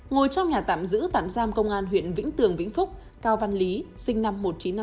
ngồi trong nhà tạm giữ tạm giam công an huyện vĩnh tường vĩnh phúc cao văn lý sinh năm một nghìn chín trăm năm mươi